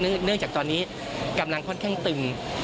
เนื่องจากตอนนี้กำลังค่อนข้างตึง